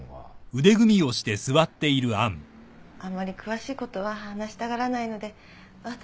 あまり詳しいことは話したがらないので私が。